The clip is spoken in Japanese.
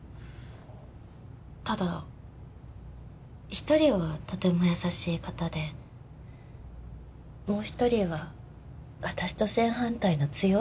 ただ一人はとても優しい方でもう一人は私と正反対の強い人なので。